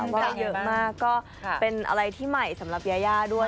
ว่าได้เยอะมากก็เป็นอะไรที่ใหม่สำหรับยายาด้วย